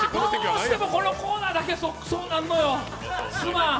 どうしてもこのコーナーだけはそうなるのよ、すまん。